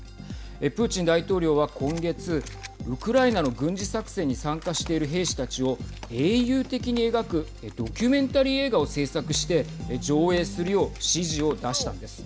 プーチン大統領は今月ウクライナの軍事作戦に参加している兵士たちを英雄的に描くドキュメンタリー映画を制作して上映するよう指示を出したんです。